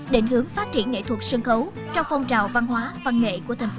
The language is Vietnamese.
định hướng phát triển nghệ thuật sân khấu trong phong trào văn hóa văn nghệ của thành phố